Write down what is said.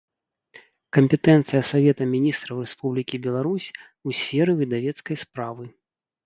Кампетэнцыя Савета Мiнiстраў Рэспублiкi Беларусь у сферы выдавецкай справы